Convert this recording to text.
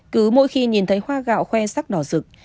cứ mỗi khi nhìn thấy hoa gạo khoe sắc đỏ rực